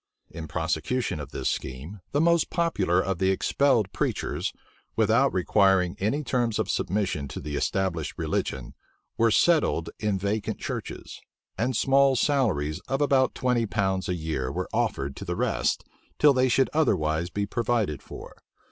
In prosecution of this scheme, the most popular of the expelled preachers, without requiring any terms of submission to the established religion, were settled in vacant churches; and small salaries of about twenty pounds a year were offered to the rest, till they should otherwise be provided for.